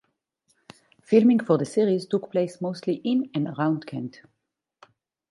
Filming for the series took place mostly in and around Kent.